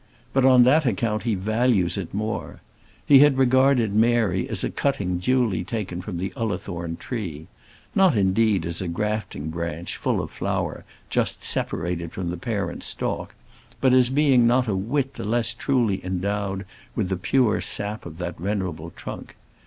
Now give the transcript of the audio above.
But on that account he values it more. He had regarded Mary as a cutting duly taken from the Ullathorne tree; not, indeed, as a grafting branch, full of flower, just separated from the parent stalk, but as being not a whit the less truly endowed with the pure sap of that venerable trunk.